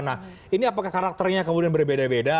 nah ini apakah karakternya kemudian berbeda beda